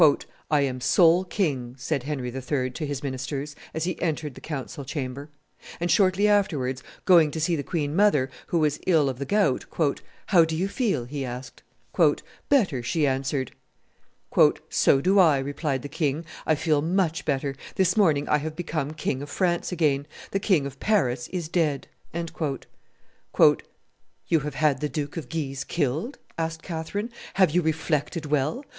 "I am sole king," said Henry III. to his ministers, as he entered the council chamber; and shortly afterwards, going to see the queen mother, who was ill of the gout, "How do you feel?" he asked. "Better," she answered. "So do I," replied the king: "I feel much better; this morning I have become King of France again; the King of Paris is dead." "You have had the Duke of Guise killed?" asked Catherine "have you reflected well?